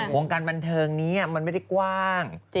วงการบันเทิงนี้มันไม่ได้กว้าง